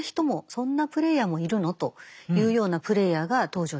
そんなプレイヤーもいるの？というようなプレイヤーが登場します。